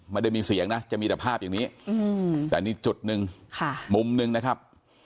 ไม่ได้มีเสียงนะจะมีแต่ภาพอย่างนี้แต่นี่จุดหนึ่งมุมหนึ่งนะครับ